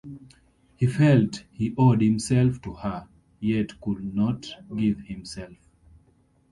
He felt he owed himself to her, yet could not give himself.